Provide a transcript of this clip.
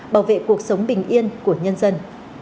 bảo vệ cuộc sống bình yên của nhân dân